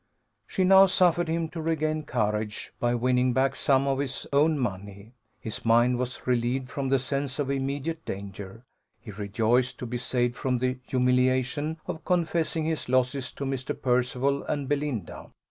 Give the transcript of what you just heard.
She now suffered him to regain courage, by winning back some of his own money. His mind was relieved from the sense of immediate danger; he rejoiced to be saved from the humiliation of confessing his losses to Mr. Percival and Belinda.